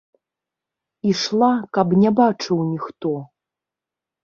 Ішла, каб не бачыў ніхто.